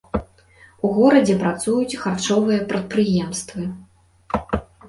У горадзе працуюць харчовыя прадпрыемствы.